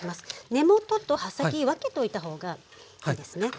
根元と葉先分けておいた方がいいですね。